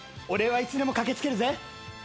俺はいつでも駆けつけるぜ。